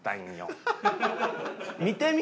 見てみ。